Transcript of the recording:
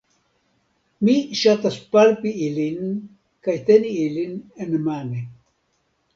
Mi ŝatas palpi ilin kaj teni ilin enmane